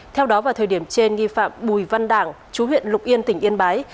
theo đó vào thời điểm trên nghi phạm bùi văn đảng chú huyện lục yên tỉnh yên bái